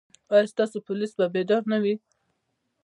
ایا ستاسو پولیس به بیدار نه وي؟